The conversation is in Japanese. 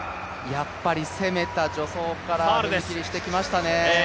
やっぱり攻めた助走から踏み切りしてきましたね。